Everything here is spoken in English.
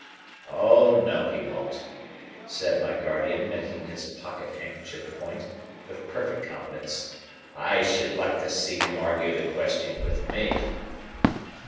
"Oh no he won't," said my guardian, making his pocket handkerchief point, with perfect confidence; "I should like to see him argue the question with me."